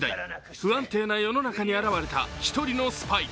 不安定な世の中に現れた１人のスパイ。